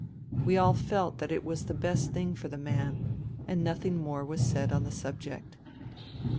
We all felt that it was the best thing for the man, and nothing more was said on the subject.